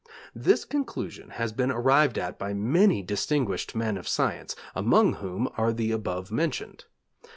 This conclusion has been arrived at by many distinguished men of science, among whom are the above mentioned.